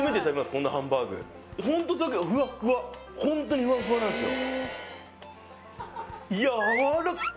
こんなハンバーグホントだけどフワッフワホントにフワッフワなんですよ